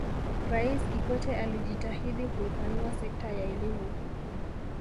raisi kikwete alijitahidi kuipanua sekta ya elimu